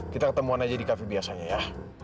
kita ketemuan aja di cafe biasanya ya